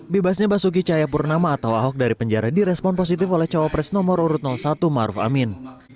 bebasnya basuki cahayapurnama atau ahok dari penjara direspon positif oleh cawapres nomor urut satu maruf amin